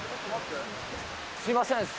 すみません。